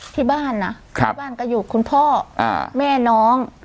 ที่บ้านนะที่บ้านก็อยู่คุณพ่อแม่น้อง